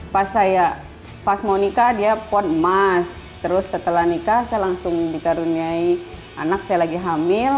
pas saya pas mau nikah dia pot emas terus setelah nikah saya langsung dikaruniai anak saya lagi hamil